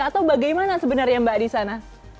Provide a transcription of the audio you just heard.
atau bagaimana sebenarnya mbak di sana